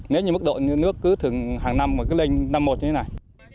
nếu như mức độ nước cứ thường hàng năm mà cứ lên năm một như thế này